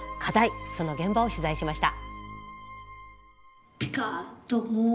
その現場を取材しました。